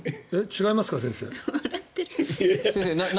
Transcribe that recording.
違いますか先生。